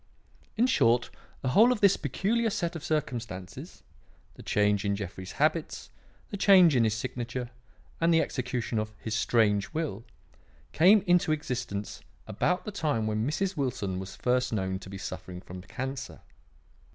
"In short, the whole of this peculiar set of circumstances the change in Jeffrey's habits, the change in his signature, and the execution of his strange will came into existence about the time when Mrs. Wilson was first known to be suffering from cancer.